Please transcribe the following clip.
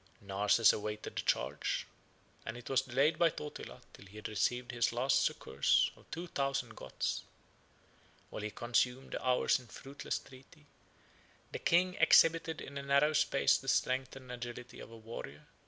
Narses awaited the charge; and it was delayed by Totila till he had received his last succors of two thousand Goths. While he consumed the hours in fruitless treaty, the king exhibited in a narrow space the strength and agility of a warrior.